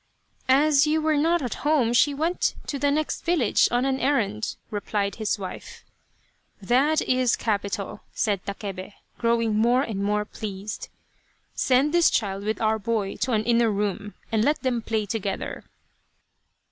" As you were not at home, she went to the next village on an errand," replied his wife. " That is capital !" said Takebe, growing more and more pleased. " Send this child with our boy to an inner room, and let them play together."